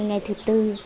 ngày thứ bốn